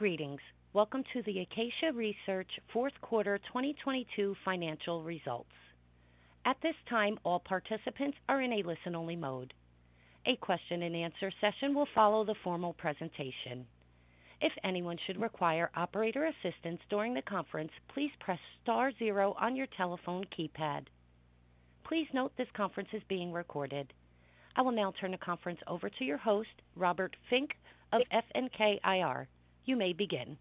Greetings. Welcome to the Acacia Research fourth quarter 2022 financial results. At this time, all participants are in a listen-only mode. A question and answer session will follow the formal presentation. If anyone should require operator assistance during the conference, please press star zero on your telephone keypad. Please note this conference is being recorded. I will now turn the conference over to your host, Robert Fink of FNK IR. You may begin.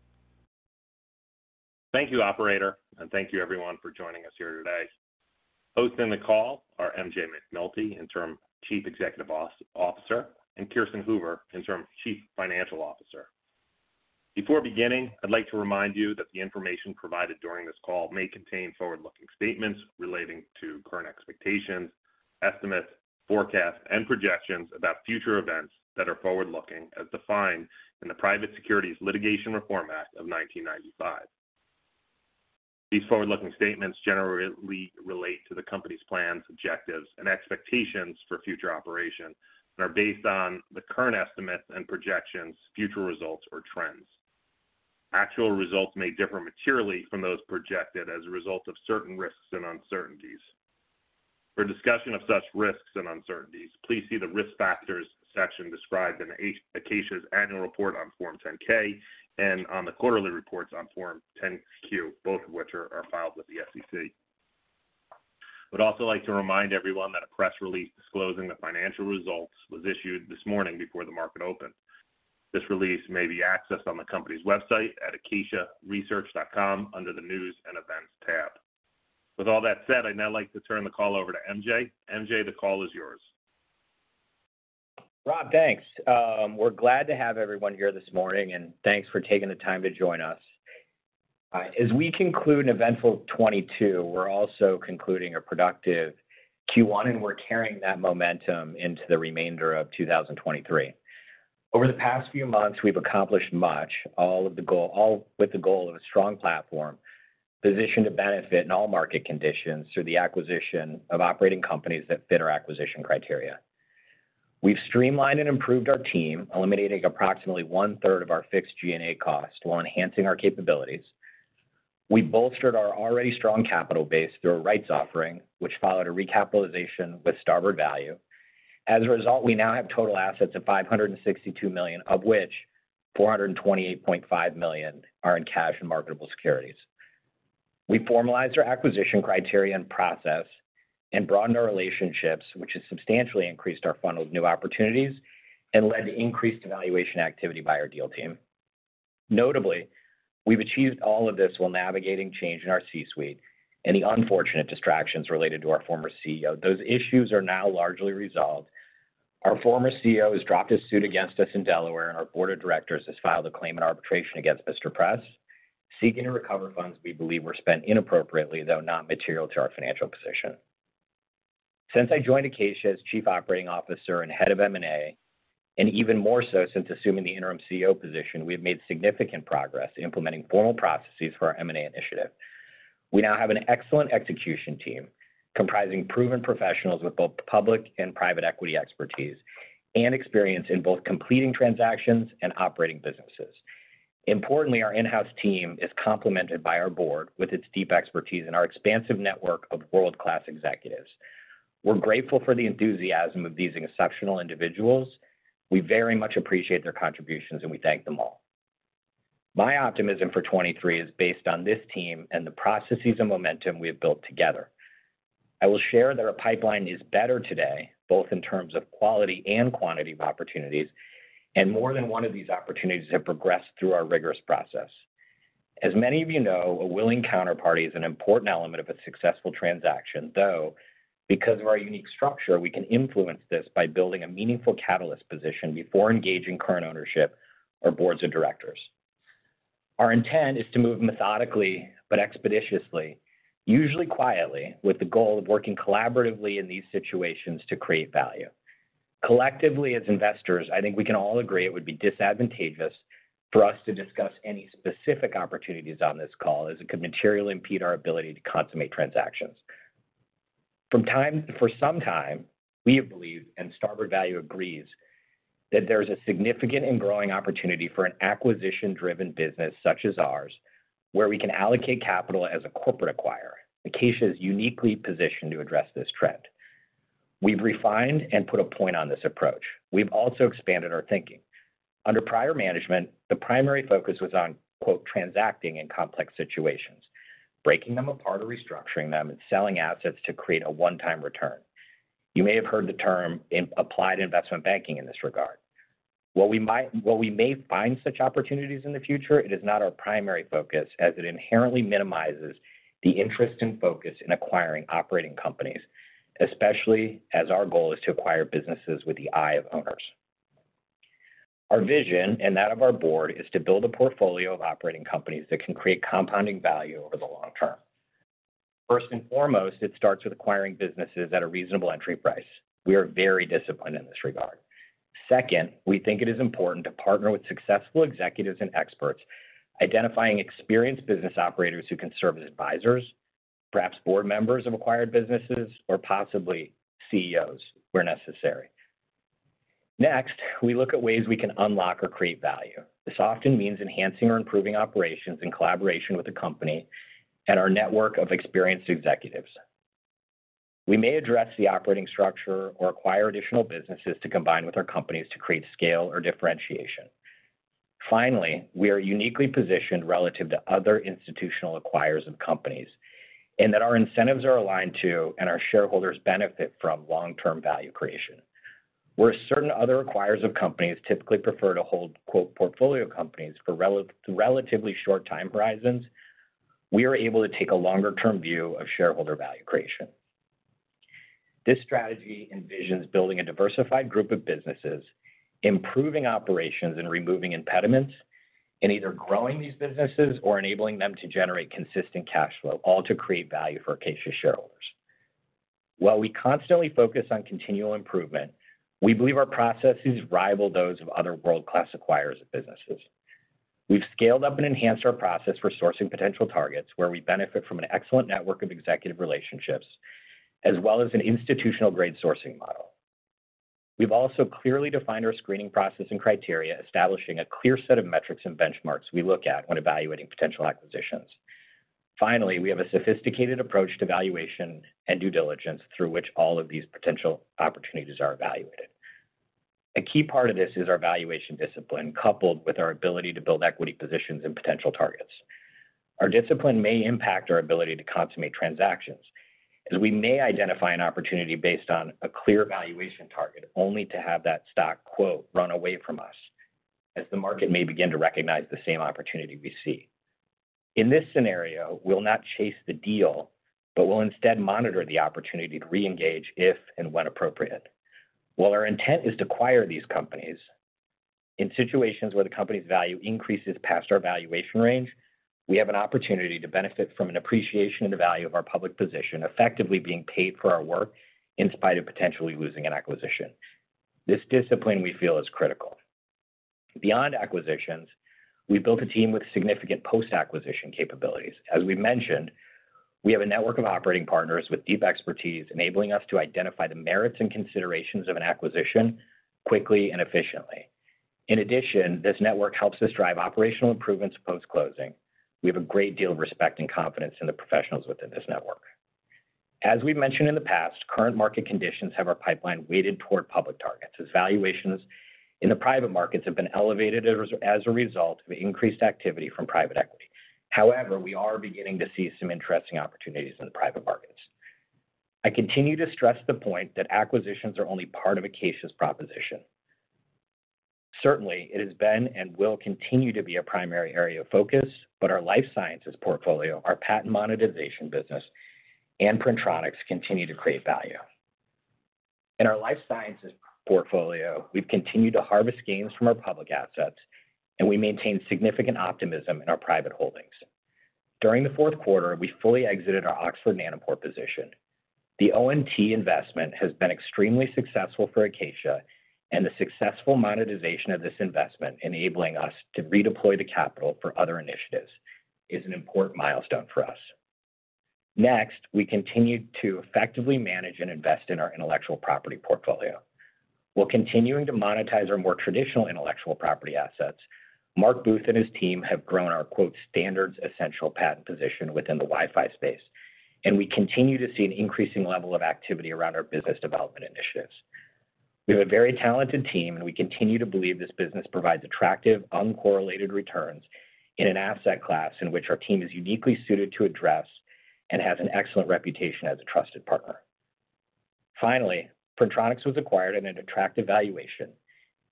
Thank you, operator, thank you everyone for joining us here today. Hosting the call are MJ McNulty, Interim Chief Executive Officer, and Kirsten Hoover, Interim Chief Financial Officer. Before beginning, I'd like to remind you that the information provided during this call may contain forward-looking statements relating to current expectations, estimates, forecasts, and projections about future events that are forward-looking as defined in the Private Securities Litigation Reform Act of 1995. These forward-looking statements generally relate to the company's plans, objectives, and expectations for future operations and are based on the current estimates and projections, future results or trends. Actual results may differ materially from those projected as a result of certain risks and uncertainties. For discussion of such risks and uncertainties, please see the Risk Factors section described in Acacia's annual report on Form 10-K and on the quarterly reports on Form 10-Q, both of which are filed with the SEC. I would also like to remind everyone that a press release disclosing the financial results was issued this morning before the market opened. This release may be accessed on the company's website at acaciaresearch.com under the News and Events tab. With all that said, I'd now like to turn the call over to MJ. MJ, the call is yours. Rob, thanks. We're glad to have everyone here this morning, and thanks for taking the time to join us. All right. As we conclude an eventful 2022, we're also concluding a productive Q1, and we're carrying that momentum into the remainder of 2023. Over the past few months, we've accomplished much, all with the goal of a strong platform positioned to benefit in all market conditions through the acquisition of operating companies that fit our acquisition criteria. We've streamlined and improved our team, eliminating approximately 1/3 of our fixed G&A costs while enhancing our capabilities. We bolstered our already strong capital base through a rights offering which followed a recapitalization with Starboard Value. As a result, we now have total assets of $562 million, of which $428.5 million are in cash and marketable securities. We formalized our acquisition criteria and process and broadened our relationships, which has substantially increased our funnel of new opportunities and led to increased evaluation activity by our deal team. Notably, we've achieved all of this while navigating change in our C-suite and the unfortunate distractions related to our former CEO. Those issues are now largely resolved. Our former CEO has dropped his suit against us in Delaware, and our board of directors has filed a claim in arbitration against Mr. Press, seeking to recover funds we believe were spent inappropriately, though not material to our financial position. Since I joined Acacia as Chief Operating Officer and Head of M&A, and even more so since assuming the Interim CEO position, we have made significant progress in implementing formal processes for our M&A initiative. We now have an excellent execution team comprising proven professionals with both public and private equity expertise and experience in both completing transactions and operating businesses. Importantly, our in-house team is complemented by our board with its deep expertise and our expansive network of world-class executives. We're grateful for the enthusiasm of these exceptional individuals. We very much appreciate their contributions, and we thank them all. My optimism for 2023 is based on this team and the processes and momentum we have built together. I will share that our pipeline is better today, both in terms of quality and quantity of opportunities, and more than one of these opportunities have progressed through our rigorous process. As many of you know, a willing counterparty is an important element of a successful transaction, though because of our unique structure, we can influence this by building a meaningful catalyst position before engaging current ownership or boards of directors. Our intent is to move methodically but expeditiously, usually quietly, with the goal of working collaboratively in these situations to create value. Collectively as investors, I think we can all agree it would be disadvantageous for us to discuss any specific opportunities on this call, as it could materially impede our ability to consummate transactions. For some time, we have believed, and Starboard Value agrees, that there is a significant and growing opportunity for an acquisition-driven business such as ours, where we can allocate capital as a corporate acquirer. Acacia is uniquely positioned to address this trend. We've refined and put a point on this approach. We've also expanded our thinking. Under prior management, the primary focus was on "transacting in complex situations", breaking them apart or restructuring them and selling assets to create a one-time return. You may have heard the term in applied investment banking in this regard. While we may find such opportunities in the future, it is not our primary focus as it inherently minimizes the interest and focus in acquiring operating companies, especially as our goal is to acquire businesses with the eye of owners. Our vision, and that of our board, is to build a portfolio of operating companies that can create compounding value over the long term. First and foremost, it starts with acquiring businesses at a reasonable entry price. We are very disciplined in this regard. Second, we think it is important to partner with successful executives and experts, identifying experienced business operators who can serve as advisors, perhaps board members of acquired businesses or possibly CEOs where necessary. Next, we look at ways we can unlock or create value. This often means enhancing or improving operations in collaboration with the company and our network of experienced executives. We may address the operating structure or acquire additional businesses to combine with our companies to create scale or differentiation. Finally, we are uniquely positioned relative to other institutional acquirers of companies in that our incentives are aligned to and our shareholders benefit from long-term value creation. Where certain other acquirers of companies typically prefer to hold "portfolio companies" for relatively short time horizons, we are able to take a longer-term view of shareholder value creation. This strategy envisions building a diversified group of businesses, improving operations and removing impediments, and either growing these businesses or enabling them to generate consistent cash flow, all to create value for Acacia shareholders. While we constantly focus on continual improvement, we believe our processes rival those of other world-class acquirers of businesses. We've scaled up and enhanced our process for sourcing potential targets where we benefit from an excellent network of executive relationships, as well as an institutional-grade sourcing model. We've also clearly defined our screening process and criteria, establishing a clear set of metrics and benchmarks we look at when evaluating potential acquisitions. Finally, we have a sophisticated approach to valuation and due diligence through which all of these potential opportunities are evaluated. A key part of this is our valuation discipline, coupled with our ability to build equity positions in potential targets. Our discipline may impact our ability to consummate transactions as we may identify an opportunity based on a clear valuation target, only to have that stock "run away" from us as the market may begin to recognize the same opportunity we see. In this scenario, we'll not chase the deal, but we'll instead monitor the opportunity to reengage if and when appropriate. While our intent is to acquire these companies, in situations where the company's value increases past our valuation range, we have an opportunity to benefit from an appreciation in the value of our public position, effectively being paid for our work in spite of potentially losing an acquisition. This discipline we feel is critical. Beyond acquisitions, we've built a team with significant post-acquisition capabilities. As we mentioned, we have a network of operating partners with deep expertise, enabling us to identify the merits and considerations of an acquisition quickly and efficiently. In addition, this network helps us drive operational improvements post-closing. We have a great deal of respect and confidence in the professionals within this network. As we've mentioned in the past, current market conditions have our pipeline weighted toward public targets, as valuations in the private markets have been elevated as a result of increased activity from private equity. We are beginning to see some interesting opportunities in the private markets. I continue to stress the point that acquisitions are only part of Acacia's proposition. It has been and will continue to be a primary area of focus, but our life sciences portfolio, our patent monetization business, and Printronix continue to create value. In our life sciences portfolio, we've continued to harvest gains from our public assets, and we maintain significant optimism in our private holdings. During the fourth quarter, we fully exited our Oxford Nanopore position. The ONT investment has been extremely successful for Acacia, and the successful monetization of this investment enabling us to redeploy the capital for other initiatives is an important milestone for us. Next, we continue to effectively manage and invest in our intellectual property portfolio. While continuing to monetize our more traditional intellectual property assets, Marc Booth and his team have grown our "standard-essential patent position" within the Wi-Fi space, and we continue to see an increasing level of activity around our business development initiatives. We have a very talented team, and we continue to believe this business provides attractive, uncorrelated returns in an asset class in which our team is uniquely suited to address and has an excellent reputation as a trusted partner. Finally, Printronix was acquired at an attractive valuation.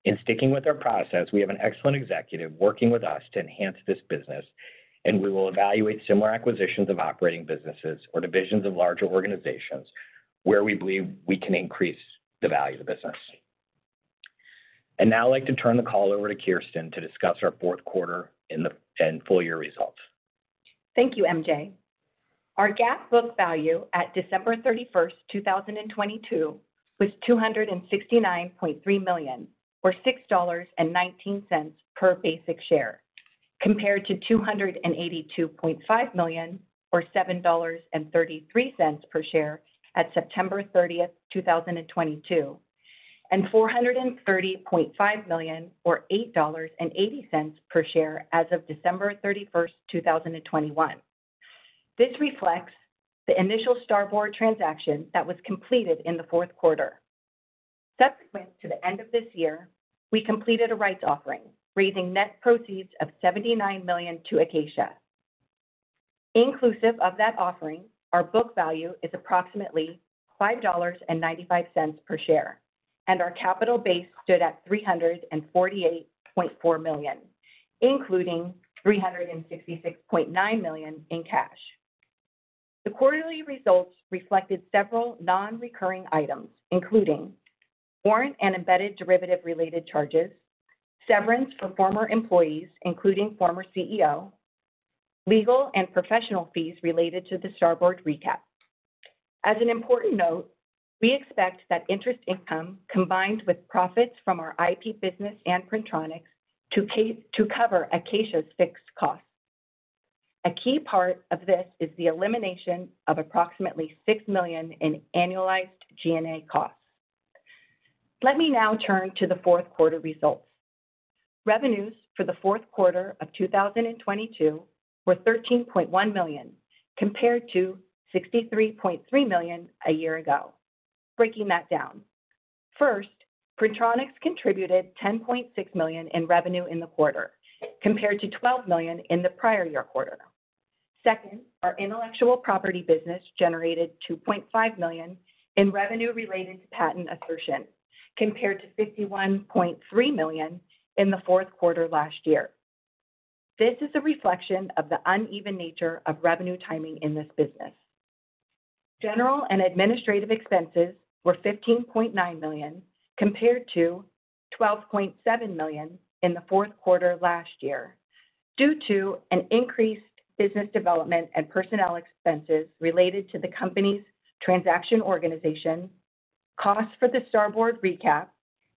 In sticking with our process, we have an excellent executive working with us to enhance this business, and we will evaluate similar acquisitions of operating businesses or divisions of larger organizations where we believe we can increase the value of the business. I'd now like to turn the call over to Kirsten to discuss our fourth quarter and full year results. Thank you, MJ. Our GAAP book value at December 31, 2022 was $269.3 million or $6.19 per basic share, compared to $282.5 million or $7.33 per share at September 30th, 2022, and $430.5 million or $8.80 per share as of December 31, 2021. This reflects the initial Starboard transaction that was completed in the fourth quarter. Subsequent to the end of this year, we completed a rights offering, raising net proceeds of $79 million to Acacia. Inclusive of that offering, our book value is approximately $5.95 per share, and our capital base stood at $348.4 million, including $366.9 million in cash. The quarterly results reflected several non-recurring items, including warrant and embedded derivative-related charges, severance for former employees, including former CEO, legal and professional fees related to the Starboard recap. As an important note, we expect that interest income combined with profits from our IP business and Printronix to cover Acacia's fixed costs. A key part of this is the elimination of approximately $6 million in annualized G&A costs. Let me now turn to the fourth quarter results. Revenues for the fourth quarter of 2022 were $13.1 million, compared to $63.3 million a year ago. Breaking that down. First, Printronix contributed $10.6 million in revenue in the quarter compared to $12 million in the prior year quarter. Second, our intellectual property business generated $2.5 million in revenue related to patent assertion, compared to $51.3 million in the fourth quarter last year. This is a reflection of the uneven nature of revenue timing in this business. General and administrative expenses were $15.9 million compared to $12.7 million in the fourth quarter last year due to an increased business development and personnel expenses related to the company's transaction organization, costs for the Starboard recap,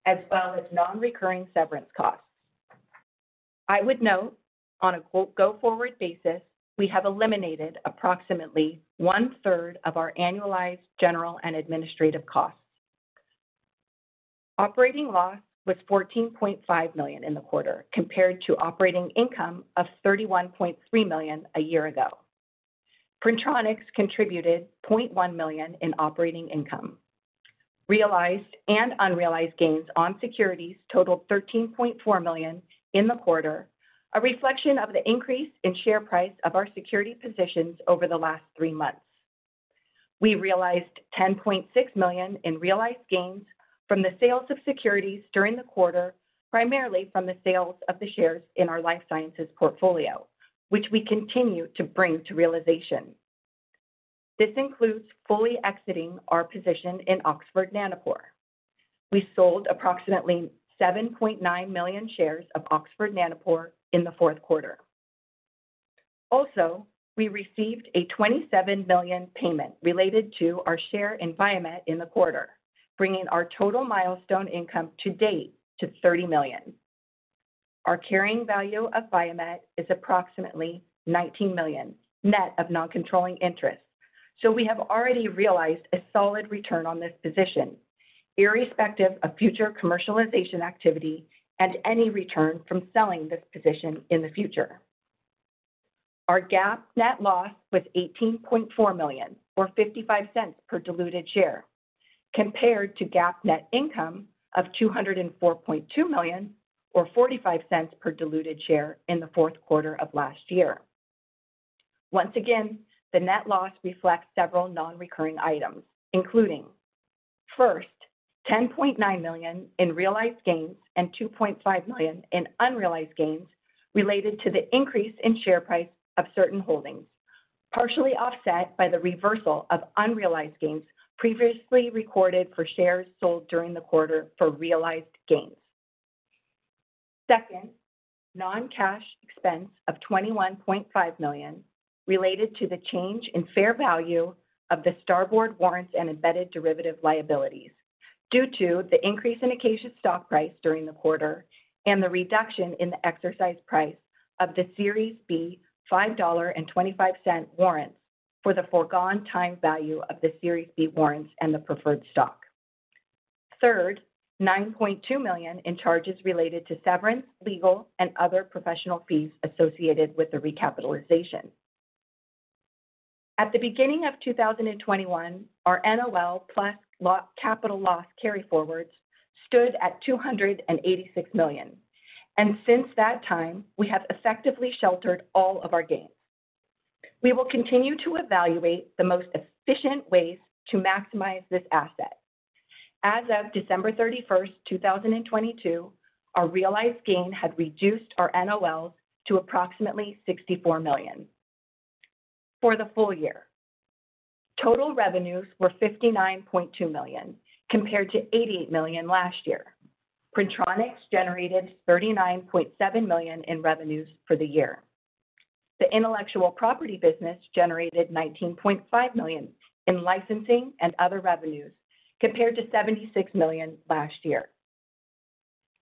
as well as non-recurring severance costs. I would note, on a "go forward" basis, we have eliminated approximately one-third of our annualized general and administrative costs. Operating loss was $14.5 million in the quarter, compared to operating income of $31.3 million a year ago. Printronix contributed $0.1 million in operating income. Realized and unrealized gains on securities totaled $13.4 million in the quarter, a reflection of the increase in share price of our security positions over the last three months. We realized $10.6 million in realized gains from the sales of securities during the quarter, primarily from the sales of the shares in our life sciences portfolio, which we continue to bring to realization. This includes fully exiting our position in Oxford Nanopore. We sold approximately 7.9 million shares of Oxford Nanopore in the fourth quarter. We received a $27 million payment related to our share in Viamet in the quarter, bringing our total milestone income to date to $30 million. Our carrying value of Viamet is approximately $19 million net of non-controlling interest. We have already realized a solid return on this position, irrespective of future commercialization activity and any return from selling this position in the future. Our GAAP net loss was $18.4 million or $0.55 per diluted share, compared to GAAP net income of $204.2 million or $0.45 per diluted share in the fourth quarter of last year. Once again, the net loss reflects several non-recurring items, including, first, $10.9 million in realized gains and $2.5 million in unrealized gains related to the increase in share price of certain holdings, partially offset by the reversal of unrealized gains previously recorded for shares sold during the quarter for realized gains. Second, non-cash expense of $21.5 million related to the change in fair value of the Starboard Warrants and embedded derivative liabilities due to the increase in Acacia's stock price during the quarter and the reduction in the exercise price of the Series B $5.25 Warrants for the foregone time value of the Series B Warrants and the preferred stock. Third, $9.2 million in charges related to severance, legal, and other professional fees associated with the recapitalization. At the beginning of 2021, our NOL plus capital loss carryforwards stood at $286 million. Since that time, we have effectively sheltered all of our gains. We will continue to evaluate the most efficient ways to maximize this asset. As of December 31, 2022, our realized gain had reduced our NOLs to approximately $64 million. For the full year, total revenues were $59.2 million, compared to $88 million last year. Printronix generated $39.7 million in revenues for the year. The intellectual property business generated $19.5 million in licensing and other revenues, compared to $76 million last year.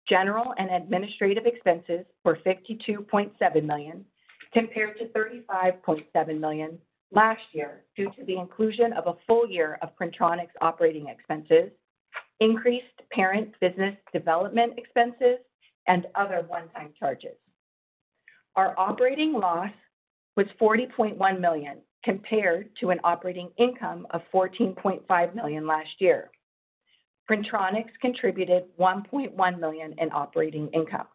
General and administrative expenses were $52.7 million compared to $35.7 million last year due to the inclusion of a full year of Printronix operating expenses, increased parent business development expenses, and other one-time charges. Our operating loss was $40.1 million compared to an operating income of $14.5 million last year. Printronix contributed $1.1 million in operating income.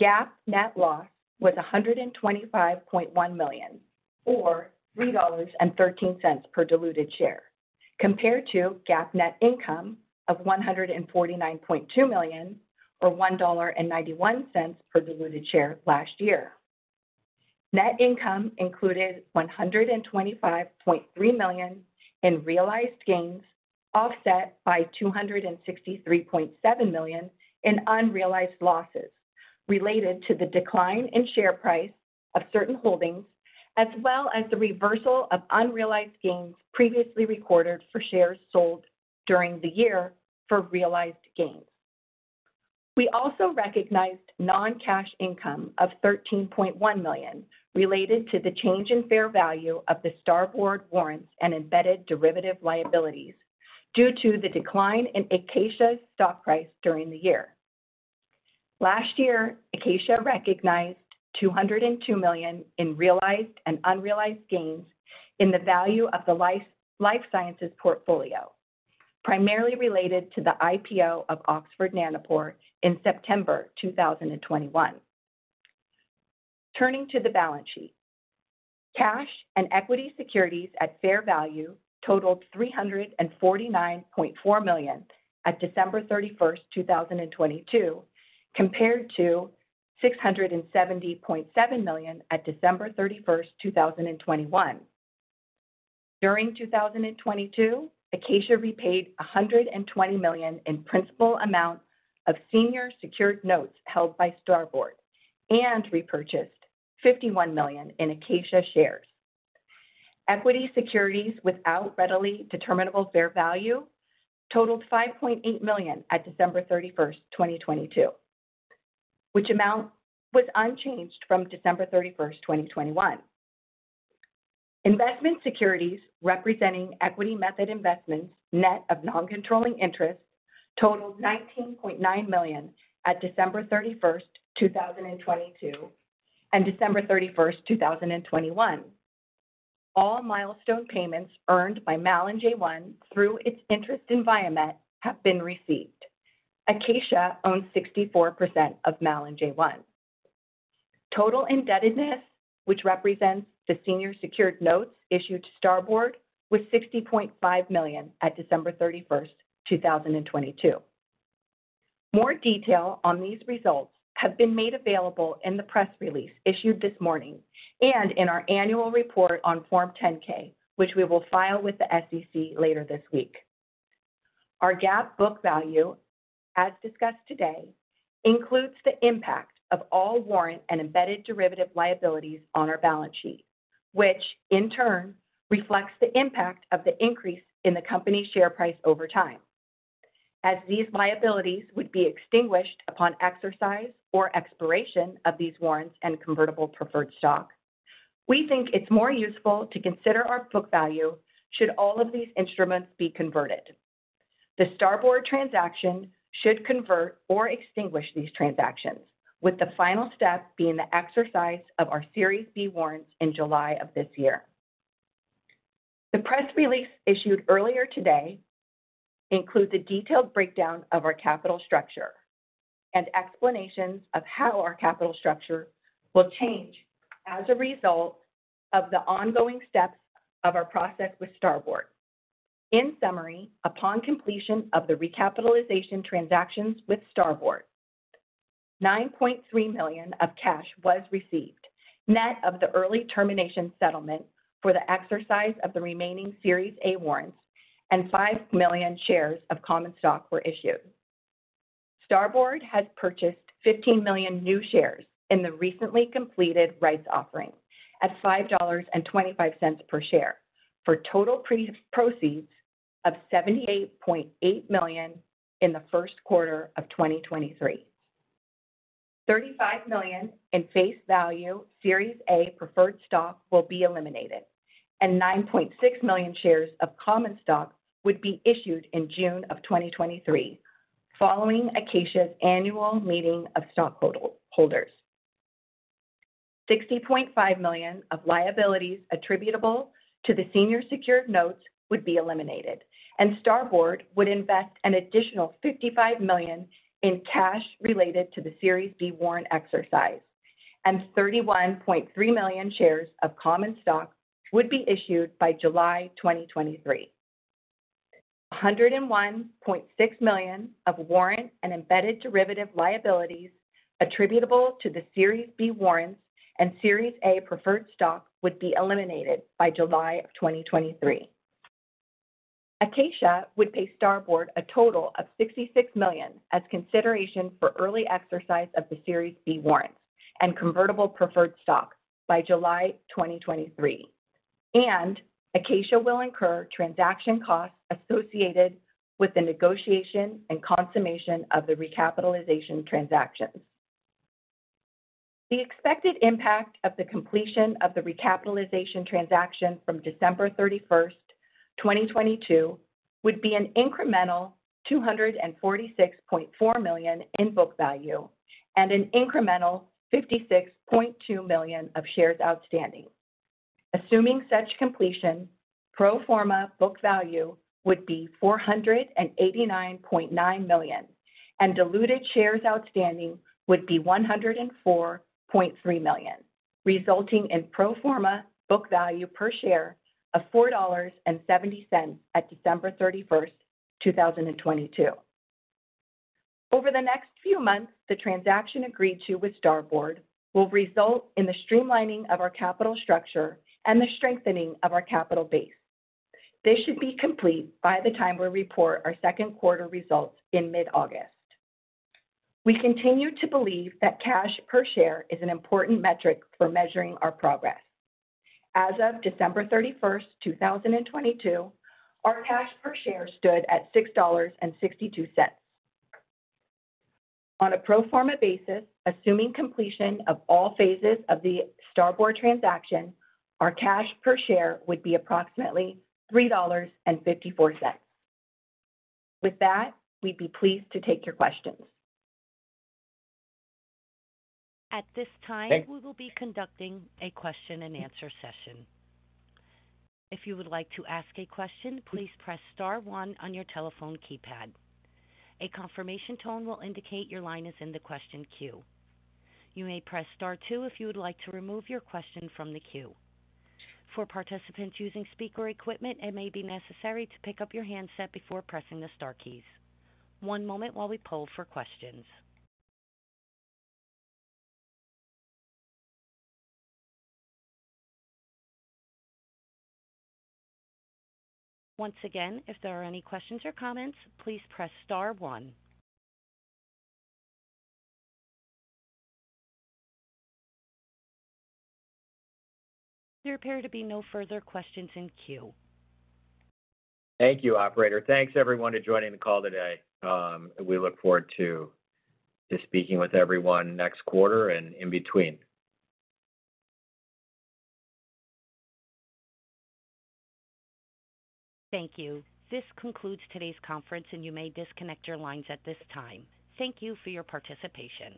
GAAP net loss was $125.1 million or $3.13 per diluted share compared to GAAP net income of $149.2 million or $1.91 per diluted share last year. Net income included $125.3 million in realized gains, offset by $263.7 million in unrealized losses related to the decline in share price of certain holdings, as well as the reversal of unrealized gains previously recorded for shares sold during the year for realized gains. We also recognized non-cash income of $13.1 million related to the change in fair value of the Starboard warrants and embedded derivative liabilities due to the decline in Acacia's stock price during the year. Last year, Acacia recognized $202 million in realized and unrealized gains in the value of the life sciences portfolio, primarily related to the IPO of Oxford Nanopore in September 2021. Turning to the balance sheet. Cash and equity securities at fair value totaled $349.4 million at December 31, 2022, compared to $670.7 million at December 31, 2021. During 2022, Acacia repaid $120 million in principal amount of senior secured notes held by Starboard and repurchased $51 million in Acacia shares. Equity securities without readily determinable fair value totaled $5.8 million at December 31, 2022, which amount was unchanged from December 31, 2021. Investment securities representing equity method investments, net of non-controlling interest totaled $19.9 million at December 31, 2022 and December 31, 2021. All milestone payments earned by Malin J1 through its interest in Viamet have been received. Acacia owns 64% of Malin J1. Total indebtedness, which represents the senior secured notes issued to Starboard, was $60.5 million at December 31, 2022. More detail on these results have been made available in the press release issued this morning and in our annual report on Form 10-K, which we will file with the SEC later this week. Our GAAP book value, as discussed today, includes the impact of all warrant and embedded derivative liabilities on our balance sheet, which in turn reflects the impact of the increase in the company's share price over time. As these liabilities would be extinguished upon exercise or expiration of these warrants and convertible preferred stock, we think it's more useful to consider our book value should all of these instruments be converted. The Starboard transaction should convert or extinguish these transactions, with the final step being the exercise of our Series B Warrants in July of this year. The press release issued earlier today includes a detailed breakdown of our capital structure and explanations of how our capital structure will change as a result of the ongoing steps of our process with Starboard. In summary, upon completion of the recapitalization transactions with Starboard, $9.3 million of cash was received, net of the early termination settlement for the exercise of the remaining Series A Warrants and 5 million shares of common stock were issued. Starboard has purchased 15 million new shares in the recently completed rights offering at $5.25 per share for total pre-proceeds of $78.8 million in the first quarter of 2023. $35 million in face value Series A preferred stock will be eliminated and 9.6 million shares of common stock would be issued in June of 2023, following Acacia's annual meeting of stockholders. $60.5 million of liabilities attributable to the senior secured notes would be eliminated, and Starboard would invest an additional $55 million in cash related to the Series B warrant exercise, and 31.3 million shares of common stock would be issued by July 2023. $101.6 million of warrant and embedded derivative liabilities attributable to the Series B Warrants and Series A preferred stock would be eliminated by July of 2023. Acacia would pay Starboard a total of $66 million as consideration for early exercise of the Series B Warrants and convertible preferred stock by July 2023. Acacia will incur transaction costs associated with the negotiation and consummation of the recapitalization transactions. The expected impact of the completion of the recapitalization transaction from December 31, 2022, would be an incremental $246.4 million in book value and an incremental $56.2 million of shares outstanding. Assuming such completion, pro forma book value would be $489.9 million, and diluted shares outstanding would be 104.3 million, resulting in pro forma book value per share of $4.70 at December 31, 2022. Over the next few months, the transaction agreed to with Starboard will result in the streamlining of our capital structure and the strengthening of our capital base. They should be complete by the time we report our second quarter results in mid-August. We continue to believe that cash per share is an important metric for measuring our progress. As of December 31, 2022, our cash per share stood at $6.62. On a pro forma basis, assuming completion of all phases of the Starboard transaction, our cash per share would be approximately $3.54. With that, we'd be pleased to take your questions. At this time, we will be conducting a question and answer session. If you would like to ask a question, please press star one on your telephone keypad. A confirmation tone will indicate your line is in the question queue. You may press star two if you would like to remove your question from the queue. For participants using speaker equipment, it may be necessary to pick up your handset before pressing the star keys. One moment while we poll for questions. Once again, if there are any questions or comments, please press star one. There appear to be no further questions in queue. Thank you, operator. Thanks everyone for joining the call today. We look forward to speaking with everyone next quarter and in between. Thank you. This concludes today's conference, and you may disconnect your lines at this time. Thank you for your participation.